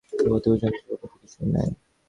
জগতে উঁচু-নীচু বলিয়া তো কিছুই নাই।